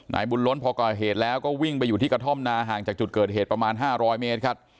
นายบุญล้นพอก่อเหตุแล้วก็วิ่งไปอยู่ที่กระท่อมนาห่างจากจุดเกิดเหตุประมาณ๕๐๐เมตรครับ